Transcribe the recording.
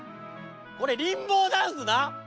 これリンボーダンスな！